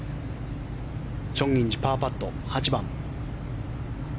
チョン・インジパーパット、８番。